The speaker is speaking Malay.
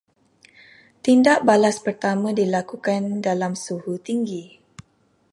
Tindak balas pertama dilakukan dalam suhu tinggi